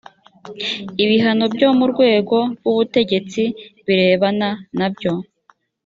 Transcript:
ibihano byo mu rwego rw ubutegetsi birebana nabyo